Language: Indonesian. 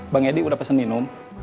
bang edi udah pesen minum